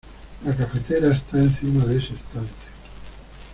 La cafetera está encima de ese estante.